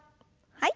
はい。